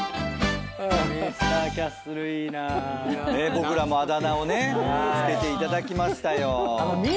僕らもあだ名をね付けていただきましたよ。